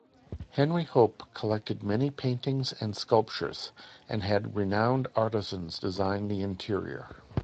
Henry Hope collected many paintings and sculptures and had renowned artisans design the interior.